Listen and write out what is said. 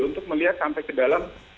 untuk melihat sampai ke dalam